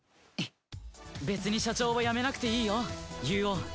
別に社長を辞めなくていいよユウオウ。